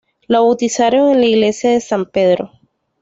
Lo bautizaron en la Iglesia de San Pedro.